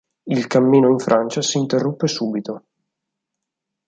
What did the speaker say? Il cammino in Francia si interruppe subito.